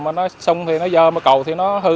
công sông thì nó dơ mà cầu thì nó hư